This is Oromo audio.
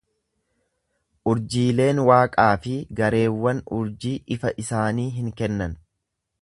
Urjiileen waaqaa fi gareewwan urjii ifa isaanii hin kennan.